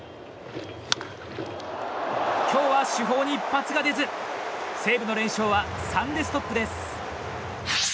今日は主砲に一発が出ず西武の連勝は３でストップです。